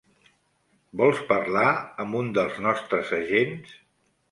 Vols parlar amb un dels nostres agents?